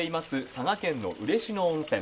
佐賀県の嬉野温泉。